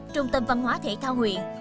trung tâm văn hóa thể thao huyện